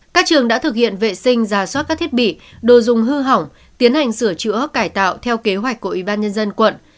các trường đã thực hiện vệ sinh giả soát các thiết bị đồ dùng hư hỏng tiến hành sửa chữa cải tạo theo kế hoạch của ủy ban nhân dân quận